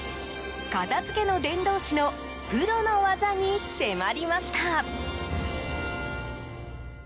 片付けの伝道師のプロの技に迫りました。